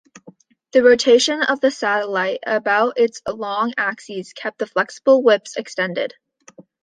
The rotation of the satellite about its long axis kept the flexible whips extended.